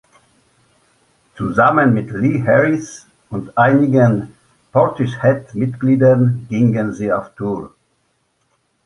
Zusammen mit Lee Harris und einigen Portishead-Mitgliedern gingen sie auf Tour.